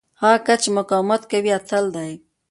هغه کس چې مقاومت کوي، اتل دی.